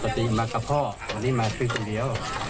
ปกติมากับพ่ออันนี้มาทีสังเกียร์